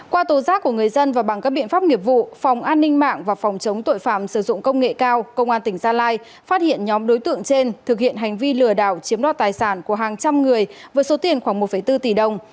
qua tố giác của người dân và bằng các biện pháp nghiệp vụ phòng an ninh mạng và phòng chống tội phạm sử dụng công nghệ cao công an tỉnh gia lai phát hiện nhóm đối tượng trên thực hiện hành vi lừa đảo chiếm đoạt tài sản của hàng trăm người với số tiền khoảng một bốn tỷ đồng